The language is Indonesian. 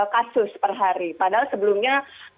kasus per hari padahal sebelumnya